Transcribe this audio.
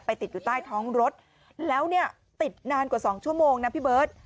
ติดอยู่ใต้ท้องรถแล้วเนี่ยติดนานกว่า๒ชั่วโมงนะพี่เบิร์ต